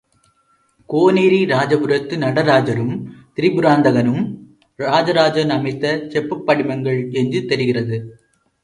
கோனேரி ராஜபுரத்து நடராஜரும், திரிபுராந்தகனும் ராஜராஜன் அமைத்த செப்புப் படிமங்கள் என்று தெரிகிறது.